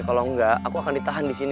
kalau enggak aku akan ditahan disini